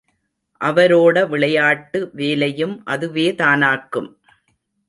அவரோட விளையாட்டு வேலையும் அதுவேதானாக்கும்!